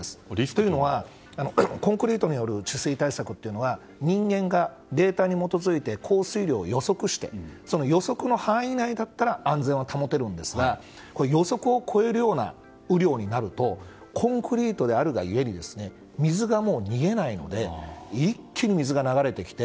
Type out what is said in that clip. というのはコンクリートによる治水対策は人間がデータに基づいて降水量を予測してその予測の範囲内だったら安全は保てるんですが予測を超えるような雨量になるとコンクリートであるがゆえに水がもう、逃げないので一気に水が流れてきて。